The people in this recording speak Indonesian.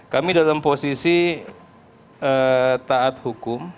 kami dalam posisi taat hukum